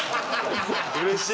うれしい。